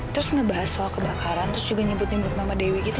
terus ngebahas soal kebakaran terus juga nyebut nyebut nama dewi gitu